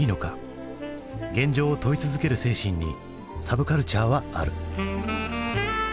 現状を問い続ける精神にサブカルチャーはある。